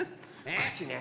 こっちね。